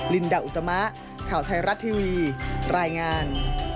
ลินดาอุตมะข่าวไทยรัฐทีวีรายงาน